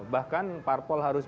bahkan parpol harus